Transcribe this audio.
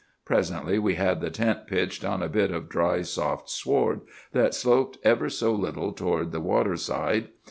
Presently we had the tent pitched on a bit of dry, soft sward that sloped ever so little toward the waterside.